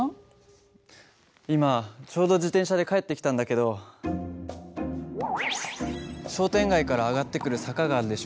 今ちょうど自転車で帰ってきたんだけど商店街から上がってくる坂があるでしょ。